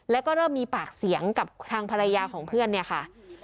แล้วก็เริ่มมีปากเสียงกับทางภรรยาของเพื่อนเนี่ยค่ะ